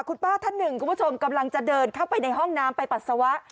คุณป้าท่านหนึ่งคุณผู้ชมกำลังจะเดินเข้าไปในห้องน้ำไปปัสสาวะ